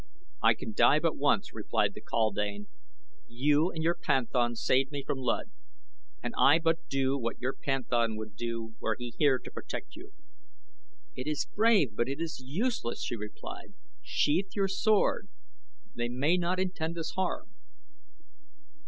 "I can die but once," replied the kaldane. "You and your panthan saved me from Luud and I but do what your panthan would do were he here to protect you." "It is brave, but it is useless," she replied. "Sheathe your sword. They may not intend us harm."